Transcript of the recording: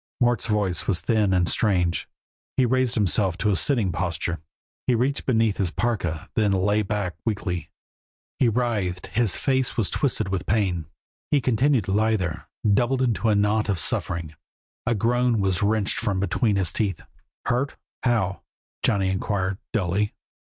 Mort's voice was thin and strange; he raised himself to a sitting posture, and reached beneath his parka, then lay back weakly. He writhed, his face was twisted with pain. He continued to lie there, doubled into a knot of suffering. A groan was wrenched from between his teeth. "Hurt? How?" Johnny inquired, dully.